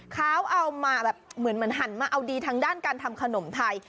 เขาเอามาแบบเหมือนหันมาเอาดีทางด้านการทำขนมไทย